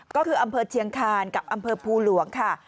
ก็คืออำเภอเชียงคานกับอำเภอภูหลวงค่ะ